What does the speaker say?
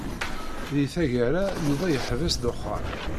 Deg tgara, Yuba yeḥbes ddexxan.